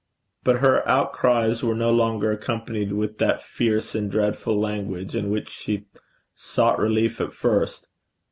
But her outcries were no longer accompanied with that fierce and dreadful language in which she sought relief at first.